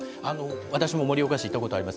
私も盛岡市行ったことあります。